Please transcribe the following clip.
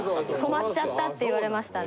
染まっちゃったって言われましたね。